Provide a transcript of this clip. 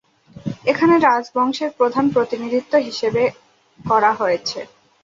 এখানে রাজবংশের প্রধান প্রতিনিধিত্ব হিসেবে করা হয়েছে।